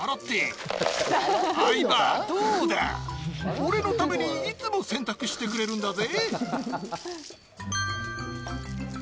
俺のためにいつも洗濯してくれるんだぜ。